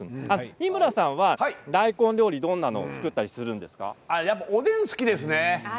日村さんは大根料理、どんなものを作ったりするんですか。